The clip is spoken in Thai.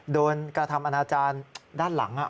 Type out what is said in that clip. โดนกระทำอนาจารย์ด้านหลัง